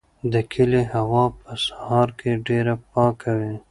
د کلي هوا په سهار کې ډېره پاکه وي.